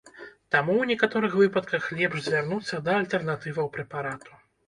Таму у некаторых выпадках лепш звярнуцца да альтэрнатываў прэпарату.